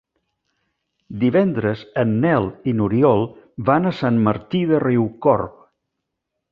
Divendres en Nel i n'Oriol van a Sant Martí de Riucorb.